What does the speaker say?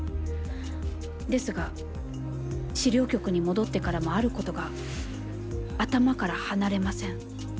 ですが資料局に戻ってからもあることが頭から離れません。